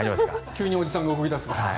急におじさんが動き出すから。